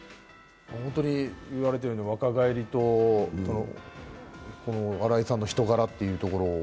本当にいわれているように若返りと新井さんの人柄というところ。